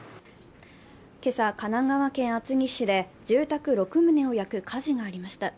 今朝、神奈川県厚木市で住宅６棟を焼く火事がありました。